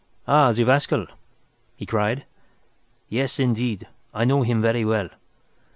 "Ah, the rascal!" he cried. "Yes, indeed, I know him very well.